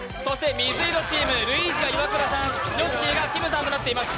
水色チーム、ルイーズがイワクラさん、ヨッシーがきむさんとなっています。